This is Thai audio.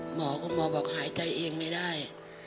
คุณหมอบอกหายใจเองไม่ได้